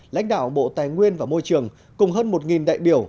lãnh đạo bộ tài nguyên và môi trường cùng hơn một đại biểu